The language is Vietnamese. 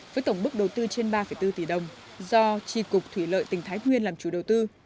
với tổng mức đầu tư trên ba bốn tỷ đồng do tri cục thủy lợi tỉnh thái nguyên làm chủ đầu tư